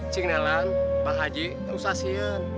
cik nelan pak haji ustaz sian